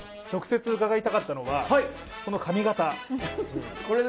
直接伺いたかったのは、この髪形。